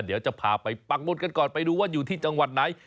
เดี๋ยวจะพาไปปักมนต์กันก่อนไปดูว่าอยู่ที่จังหวัดไหน